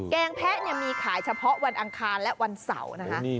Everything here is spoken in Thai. แกงแพะมีขายเฉพาะวันอังคารและวันเสาร์